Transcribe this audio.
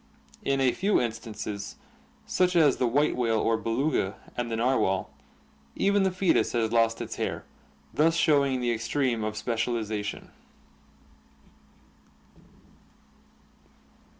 In a few instances, such as the white whale or Beluga and the narwhal, even the foetus has lost its hair, thus showing the extreme of specializa tion.